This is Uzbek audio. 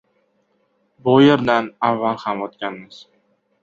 Bu yer- dan avval ham o‘tganmiz.